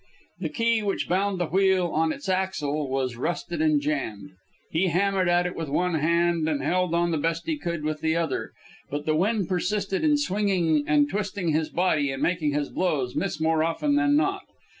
The key which bound the wheel on its axle was rusted and jammed. He hammered at it with one hand and held on the best he could with the other, but the wind persisted in swinging and twisting his body, and made his blows miss more often than not.